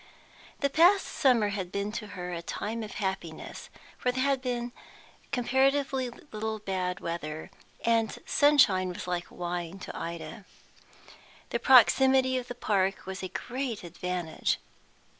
The past summer had been to her a time of happiness, for there had come comparatively little bad weather, and sunshine was like wine to Ida. The proximity of the park was a great advantage.